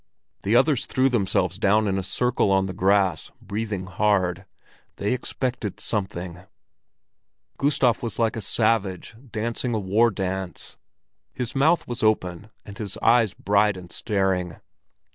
The others threw themselves down in a circle on the grass, breathing hard. They expected something. Gustav was like a savage dancing a war dance. His mouth was open and his eyes bright and staring.